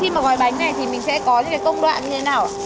khi mà gói bánh này thì mình sẽ có những cái công đoạn như thế nào